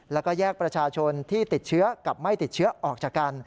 แล้วก็แยกประชาชนที่ติดเชื้อกับไม่ติดเชื้อออกจากกัน